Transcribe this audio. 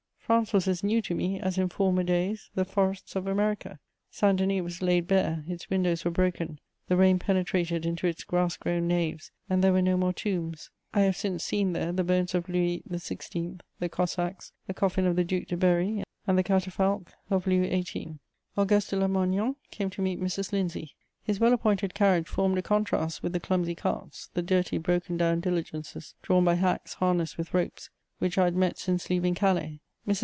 France was as new to me, as in former days, the forests of America. Saint Denis was laid bare, its windows were broken; the rain penetrated into its grass grown naves, and there were no more tombs: I have since seen there the bones of Louis XVI., the Cossacks, the coffin of the Duc de Berry, and the catafalque of Louis XVIII. Auguste de Lamoignon came to meet Mrs. Lindsay. His well appointed carriage formed a contrast with the clumsy carts, the dirty, broken down diligences, drawn by hacks harnessed with ropes, which I had met since leaving Calais. Mrs.